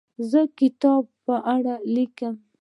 زه د یو کتاب په اړه لیکم.